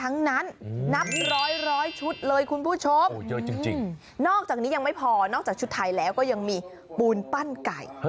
นอกจากนี้ยังไม่พอนอกจากชุดไทยแล้วก็ยังมีปูนปั้นไก่